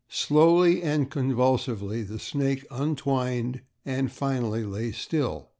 Slowly and convulsively the snake untwined and finally lay still.